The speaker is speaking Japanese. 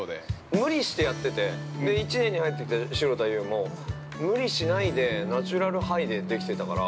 ◆無理してやってて１年に入ってた城田優も無理しないで、ナチュラルハイでできてたから。